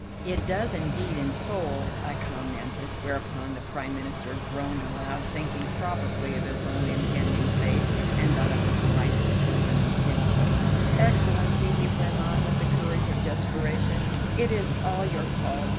"It does indeed in Seoul," I commented, whereupon the Prime Minister groaned aloud, thinking probably of his own impending fate and that of his wife, children, and kinsfolk. "Excellency," he went on with the courage of desperation, "it is all your fault.